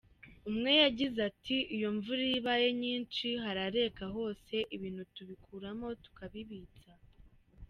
Umwe yagize ati “Iyo imvura iyo ibaye nyinshi harareka hose, ibintu tubikuramo tukabibitsa.